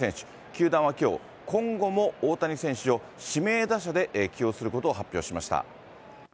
球団はきょう、今後も大谷選手を指名打者で起用することを発表しました。